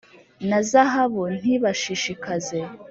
na zahabu ntibashishikaze.